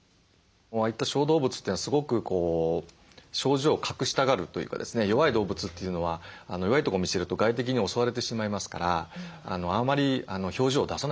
わりと小動物というのはすごく症状を隠したがるというかですね弱い動物というのは弱いとこ見せると外敵に襲われてしまいますからあまり表情を出さないんですね。